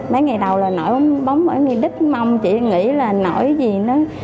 mấy ngày đầu là nổi bóng mấy ngày đích mông chỉ nghĩ là nổi gì nữa